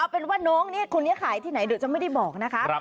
เป็นว่าน้องนี่คนนี้ขายที่ไหนเดี๋ยวจะไม่ได้บอกนะคะ